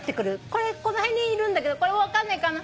これこの辺にいるんだけどこれ分かんないかな？